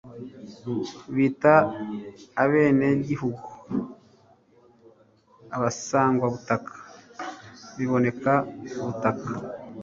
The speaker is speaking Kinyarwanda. bita abenegihugu abasangwabutaka (biboneka ku butaka